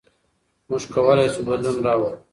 موږ کولای شو بدلون راوړو.